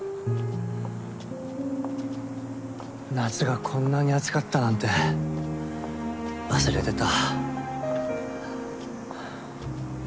夏がこんなに暑かったなんて忘れてた。